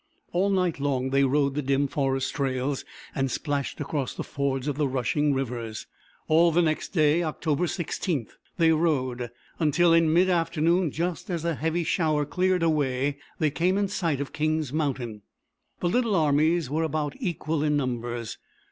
All night long they rode the dim forest trails and splashed across the fords of the rushing rivers. All the next day, October 16, they rode, until in mid afternoon, just as a heavy shower cleared away, they came in sight of King's Mountain. The little armies were about equal in numbers.